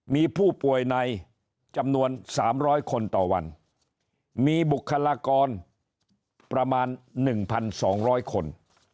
มีผู้ป่วยในจำนวน๓๐๐คนต่อวันมีบุคลากรประมาณ๑๒๐๐คน